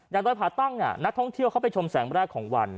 ดอยผาตั้งนักท่องเที่ยวเขาไปชมแสงแรกของวัน